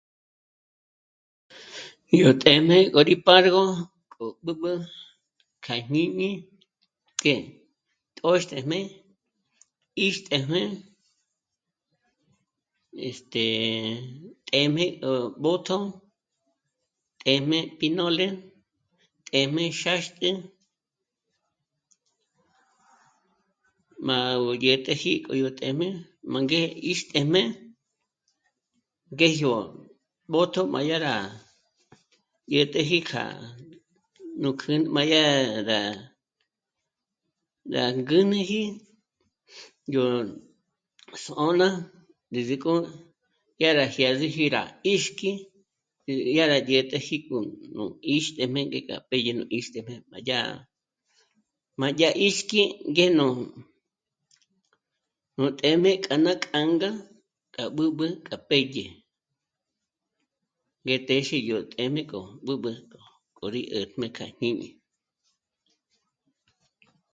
Yó téjm'e k'o rí pârgo k'o b'ǚb'ü kja jñíñi ngé tö̌xtéjm'e, 'íxtéjm'e, este... téjm'e ó b'ö́jtjo, téjm'e pinole, téjm'e xâxt'ü, má gó dyä̀t'äji k'o yó téjm'e má ngé 'íxtéjm'e ngéjyo mbótjo má dyá rá dyä̀t'äji kja..., nú kjǘj..., má dyá rá, rá ngǚnüji yó s'ô'n'a ndízik'o, dyá rá jyâs'üji rá 'íxk'i, dyá rá dyä̀t'äji k'o nú 'íxtéjm'e ngék'a mbédye ná 'íxtejm'e má dyá má, má yá 'íxk'i ngé nú téjm'e k'a ná k'ânga k'a b'ǚb'ü k'a pédye, ngé téxi yó téjm'e k'o b'ǚb'ü k'o rí 'ä̀tjmé kja jñíñi